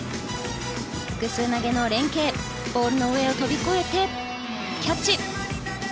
複数投げの連係ボールの上を飛び越えてキャッチ。